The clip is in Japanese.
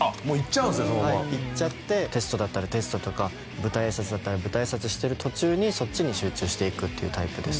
いっちゃってテストだったらテストとか舞台挨拶だったら舞台挨拶してる途中にそっちに集中していくっていうタイプです。